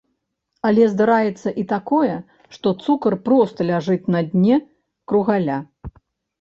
Але здараецца і такое, што цукар проста ляжыць на дне кругаля.